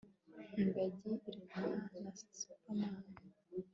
Ingagi irwana na superman